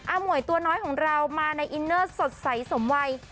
หมวยตัวน้อยของเรามาในอินเนอร์สดใสสมวัย